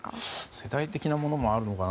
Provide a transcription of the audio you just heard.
世代的なものもあるのかな。